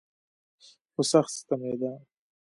خو سخت ستمېده.